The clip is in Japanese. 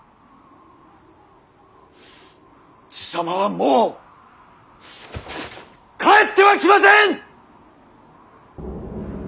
爺様はもう帰ってはきません！